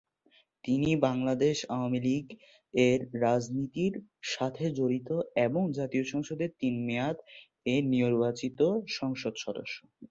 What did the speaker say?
তিনি বাংলাদেশ আওয়ামী লীগের রাজনীতির সাথে জড়িত এবং জাতীয় সংসদের তিন মেয়াদে নির্বাচিত সংসদ সদস্য।